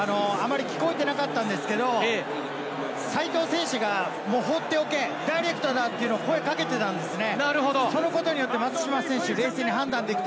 今のもあまり聞こえていなかったんですけれども、齋藤選手が放っておけ、ダイレクトだ！って声をかけていたんですよね。